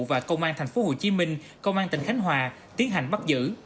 và công an thành phố hồ chí minh công an tỉnh khánh hòa tiến hành bắt giữ